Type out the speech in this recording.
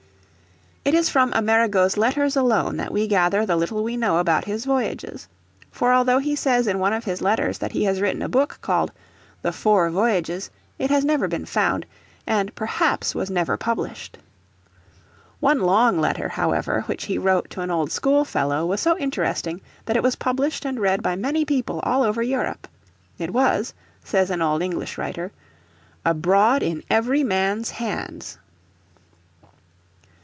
It is from Amerigo's letters alone that we gather the little we know about his voyages. For although he says in one of his letters that he has written a book called "The Four Voyages" it has never been found, and perhaps was never published. One long letter, however, which he wrote to an old schoolfellow was so interesting that it was published and read by many people all over Europe. It was, says an old English writer, "abrode in every mannes handes."